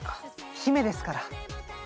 姫ですから。